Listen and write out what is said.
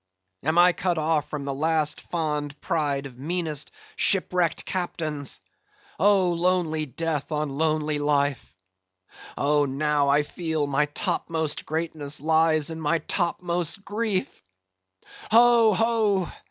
Am I cut off from the last fond pride of meanest shipwrecked captains? Oh, lonely death on lonely life! Oh, now I feel my topmost greatness lies in my topmost grief. Ho, ho!